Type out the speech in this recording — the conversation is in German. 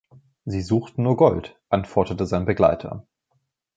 „Sie suchten nur Gold“, antwortete sein Begleiter.